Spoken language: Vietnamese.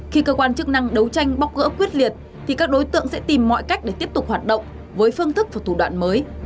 khi cơ quan chức năng đấu tranh bóc gỡ quyết liệt thì các đối tượng sẽ tìm mọi cách để tiếp tục hoạt động với phương thức và thủ đoạn mới